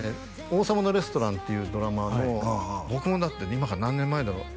「王様のレストラン」っていうドラマの僕もだって今から何年前だろう？